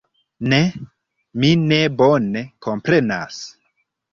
Ne, mi ne bone komprenas.